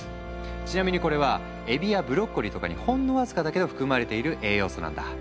ちなみにこれはエビやブロッコリーとかにほんの僅かだけど含まれている栄養素なんだ。